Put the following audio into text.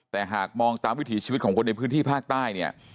แต่หากมองตามวิถีชีวิตของคนในพื้นที่ภาคใต้เนี่ย